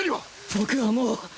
僕はもう！